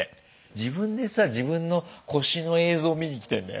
自分でさ自分の腰の映像見にきてんだよ。